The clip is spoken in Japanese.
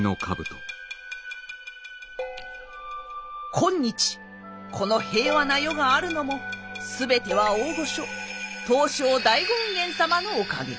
今日この平和な世があるのも全ては大御所東照大権現様のおかげ。